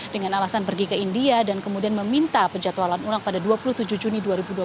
dengan alasan pergi ke india dan kemudian meminta penjatualan ulang pada dua puluh tujuh juni dua ribu dua puluh